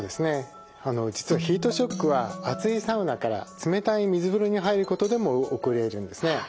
実はヒートショックは熱いサウナから冷たい水風呂に入ることでも起こりえるんですね。